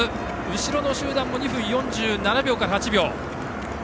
後ろの集団も２分４７秒から４８秒。